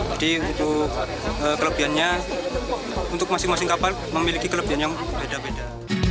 jadi untuk kelebihan nya untuk masing masing kapal memiliki kelebihan yang beda beda